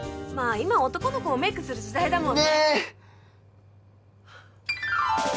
今は男の子もメイクする時代だもんねねー！